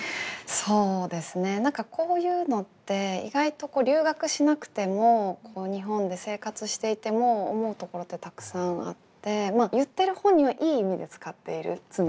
そうですね何かこういうのって意外と留学しなくても日本で生活していても思うところってたくさんあって言ってる本人は良い意味で使ってる常に。